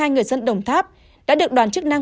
một trăm linh hai người dân đồng tháp đã được đoàn chức năng